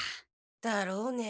だろうね。